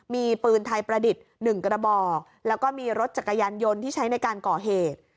มีปืนไทยประดิษฐ์๑กระบอกแล้วก็มีรถจักรยานยนต์ที่ใช้ในการก่อเหตุ